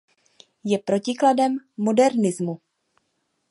Je protikladem modernismu.